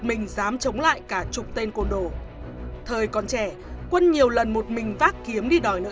mình dám chống lại cả chục tên côn đồ thời còn trẻ quân nhiều lần một mình vác kiếm đi đòi